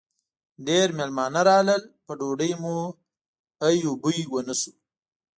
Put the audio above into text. ډېر مېلمانه راغلل؛ په ډوډۍ مو ای و بوی و نه شو.